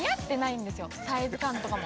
サイズ感とかも。